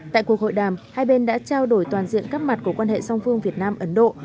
tại cuộc hội đàm hai bên đã trao đổi toàn diện các mặt của quan hệ song phương việt nam ấn độ